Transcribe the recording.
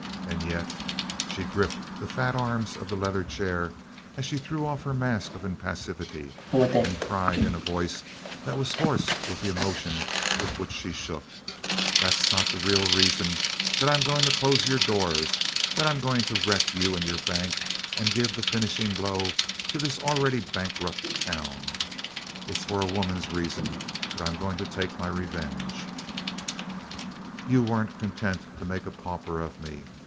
And yet" she gripped the fat arms of the leather chair as she threw off her mask of impassivity and cried in a voice that was hoarse with the emotion with which she shook "that's not the real reason that I'm going to close your doors, that I'm going to wreck you and your bank and give the finishing blow to this already bankrupt town! It's for a woman's reason that I am going to take my revenge. "You weren't content to make a pauper of me.